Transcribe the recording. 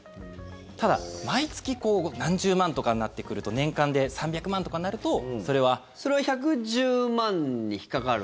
ただ毎月何十万とかになってくると年間で３００万とかなるとそれは。それは１１０万に引っかかる？